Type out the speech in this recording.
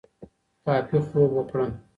کافي خوب وکړه